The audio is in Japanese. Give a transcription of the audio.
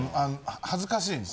恥ずかしいんです